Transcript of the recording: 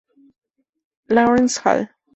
Lawrence Hall.